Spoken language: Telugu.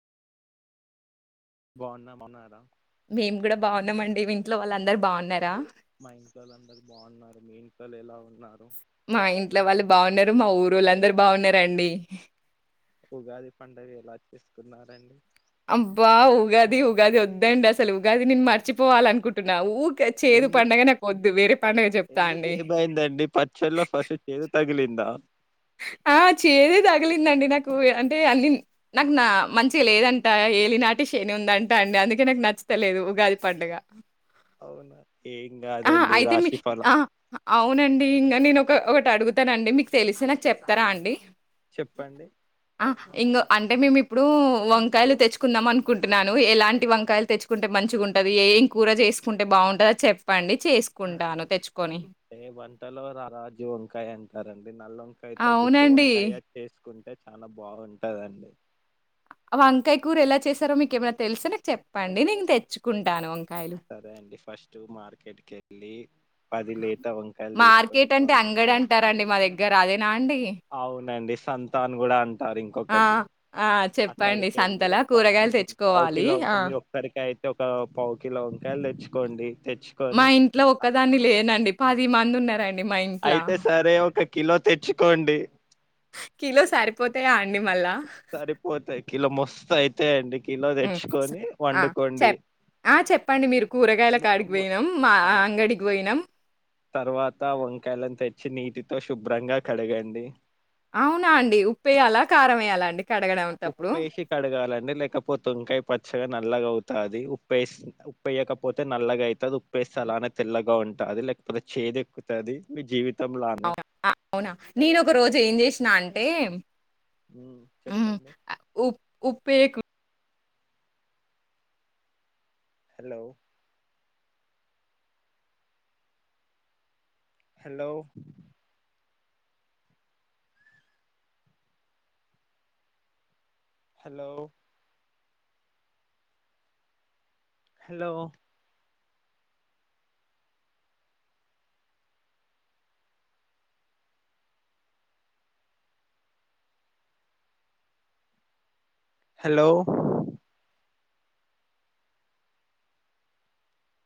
బాగున్నా బాగున్నా కదా మేము కూడా బాగున్నామండి ఇంట్లో వాళ్ళ అందరు బాగున్నారా మా ఇంట్లో అందరు బాగున్నారు మీ ఇంట్లో ఎలా ఉన్నా మా ఇంట్లో వాళ్ళు బాగున్నారు మా ఊరు వాళ్ళందరూ బాగున్నారండి. ఉగాది పండుగ ఎలా చేసుకున్నారండి. అబ్బా ఉగాది ఉగాది వద్దండి అసలు ఉగాది నేను మర్చిపోవాల అనుకుంటున్నా ఊ చ్చ చేదు ఎందుకు పడుగ నాకు వద్దు వేరే పండుగ చెప్తా ఎందుకు అండి అంద ఆ చేదే తగిలిందండి నాకు అంటే అన్ని నాకు నా మంచిగా లేదంట ఏలినాటి శని ఉందంట అండి అందుకే నాకు నచ్చతలేదు ఉగాది పడుగ అవును ఆ అయితే మీ ఆ అవునండి ఇంకా నేను ఒకటి అడుగుతారండి మీకు తెలిసిన నాకు చెప్తారా అండి చెప్పండి ఆ ఇంగ అంటే మేము ఇప్పుడు వంకాయలు తెచ్చుకుందాం అనుకుంటున్నాను ఎలాంటి వంకాయలు తెచ్చుకుంటే మంచిగా ఉంటుంది ఏం కూర చేసుకుంటే బాగుంటందో చెప్ పండి చేసుకుంటాను తెచ్చుకొని ఏ వంటలో రా రాజు వంకాయ అంటారండి. అది నల్ల వంకాయతో గుర్తి అవునండి. వంకాయ చేస్కుంటే చాలా బాగుంటదండి. వంకాయ కూర ఎలా చేస్తారో మీకేమన్న తెల్స్తే నాక్ చెప్పండి నేన్ తెచ్చుకుంటాను వంకాయలు. సరే అండి ఫస్ట్ మార్కెట్ కె ల్లీ పది లేత వంకాయలు తీసుకొచ్చుకోవాలండి. గ్గరా అవునండి సంతాన్ గుడా అంటారు ఆ! ఇంకొకటి ఆ! చెప్పండి. అక్కడికెళ్ళి సంతలా పా కూరగాయలు పావ్ తెచ్చుకోవాలి. కిలో ఆ! మీ ఒక్కరికయి ఒక పావు కిలో వంకాయలు తెచ్చుకోండి మా తెచ్చుకొని ఇంట్లో అ- ఒక్కదాన్ని లేనండి పది మంది ఉన్నారం మా ఇంట్ల అయితే సరే ఒక కిలో తెచ్చుకోండి కీలో సరిపోతాయా అండి మళ్ళా సరిపోతయి కిలో మోస్ అయితయి అండి. కిలో హ్మ్. తెచ్చుకొని ఆ! వండుకోండి చెప్ ఆ! చెప్పండి మీరు కూరగాయల కాడికి పోయినాం. మా అంగడికి పోయినాం. తర్వాత వంకాయలను తెచ్చి నీటి శుభ్రంగా కడగండి. అవునా అండి ఉప్పేయాలా కారం వేయాల అండి కడగడంటప్పుడు? ఉప్పేసి కడగాలండి లేకపోతే వంకాయ పచ్చగా న నల్లగా అవుతాది ఉప్పేస్ ఉప్పేయకపోతే నల్లగా అయితది ఉప్పేస్తే అలానే తెల్లగా ఉంటది లేకపోతే చేదెక్కుతది మీ జీవి అవునా అవునా నేను ఒక రోజు ఏం చేసినా అంటే ఉమ్ చెప్పండి ఉ ఉప్పేయ hello hello hello hello hello